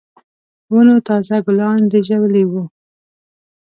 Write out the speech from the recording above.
ونو تازه ګلان رېژولي وو.